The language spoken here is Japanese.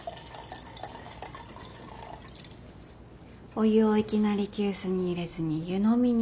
お湯をいきなり急須に入れずに湯飲みに注ぐ。